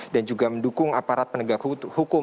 dan juga mendukung aparat penegak hukum